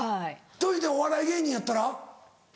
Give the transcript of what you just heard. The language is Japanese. というてお笑い芸人やったら？